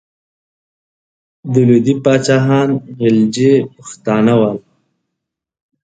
د لودي پاچاهان غلجي پښتانه ول.